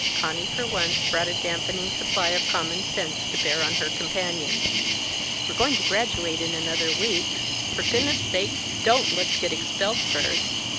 Conny for once brought a dampening supply of common sense to bear on her companion. "We're going to graduate in another week. For goodness' sake, don't let's get expelled first."